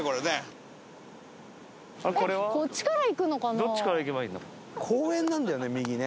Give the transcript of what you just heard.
どっちから行けばいいんだろう？